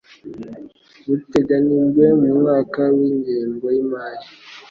buteganyijwe mu mwaka w Ingengo y Imari